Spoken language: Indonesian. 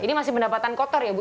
ini masih pendapatan kotor ya bu